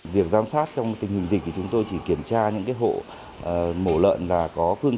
việc giám sát trong tình hình dịch thì chúng tôi chỉ kiểm tra những hộ mổ lợn và có phương